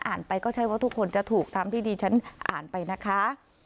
ไปก็ใช่ว่าทุกคนจะถูกทำที่ดีฉันอ่านไปนะคะ